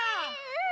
うん！